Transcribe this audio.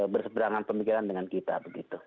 berseberangan pemikiran dengan kita begitu